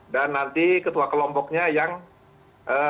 dan nanti ketua kelompoknya yang berada di dalam kelompok ini